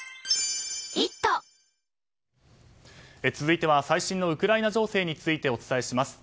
続いては最新のウクライナ情勢についてお伝えします。